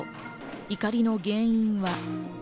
怒りの原因は？